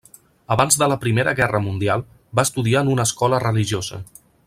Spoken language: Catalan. Abans de la Primera Guerra Mundial, va estudiar en una escola religiosa.